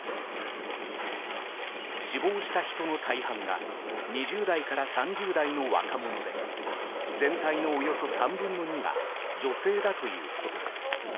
死亡した人の大半が２０代から３０代の若者で全体のおよそ３分の２が女性だということです。